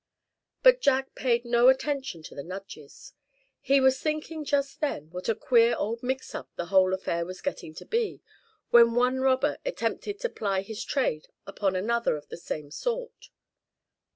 But Jack paid no attention to the nudges. He was thinking just then what a queer old mix up the whole affair was getting to be; when one robber attempted to ply his trade upon another of the same sort.